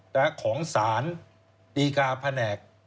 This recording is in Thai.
และของศาลดีกาพนัก